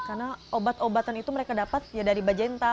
karena obat obatan itu mereka dapat ya dari bacenta